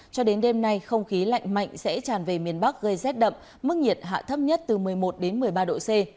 cho đến đêm nay không khí lạnh mạnh sẽ tràn về miền bắc gây rét đậm mức nhiệt hạ thấp nhất từ một mươi một đến một mươi ba độ c